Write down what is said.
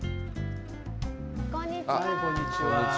こんにちは。